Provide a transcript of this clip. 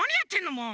もう！